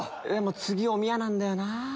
次おみやなんだよなぁ。